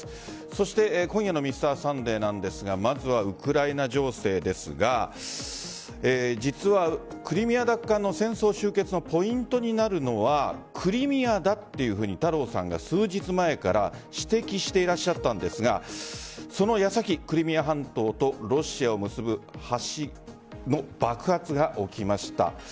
そして今夜の「Ｍｒ．サンデー」なんですがまずはウクライナ情勢ですが実はクリミア奪還の戦争終結のポイントになるのはクリミアだというふうに太郎さんが数日前から指摘していらっしゃったんですがその矢先クリミア半島とロシアを結ぶ橋の爆発が起きました。